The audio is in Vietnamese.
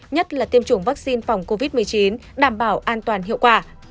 nhất là tiêm chủng vaccine phòng covid một mươi chín đảm bảo an toàn hiệu quả